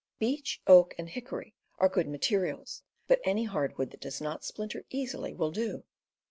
Beech, oak, and hickory are good materials, but any hardwood that does not splin ter easily will do.